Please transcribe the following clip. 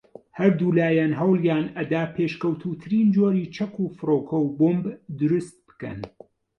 ھەردوولایان ھەوڵیان ئەدا پێشکەوتووترین جۆری چەک و فڕۆکەو بۆمب دروست بکەن